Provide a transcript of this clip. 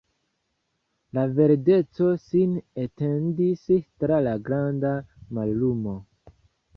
Ia verdeco sin etendis tra la granda mallumo.